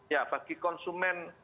ya bagi konsumen